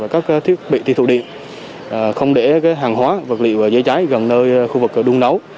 các thiết bị thi thụ điện không để hàng hóa vật liệu dưới cháy gần nơi khu vực đun nấu